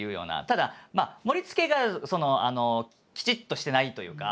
ただまあ盛りつけがそのきちっとしてないというか。